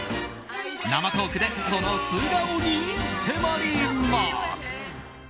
生トークでその素顔に迫ります。